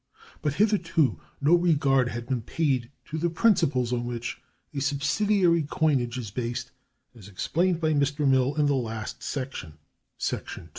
But hitherto no regard had been paid to the principles on which a subsidiary coinage is based, as explained by Mr. Mill in the last section (§ 2).